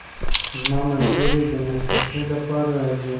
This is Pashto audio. زما ملګرې د مخې ښې لپاره راځي.